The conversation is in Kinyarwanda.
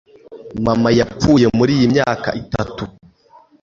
Mama yapfuye muri iyi myaka itatu